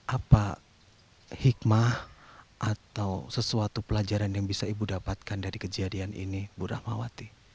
apa hikmah atau sesuatu pelajaran yang bisa ibu dapatkan dari kejadian ini bu rahmawati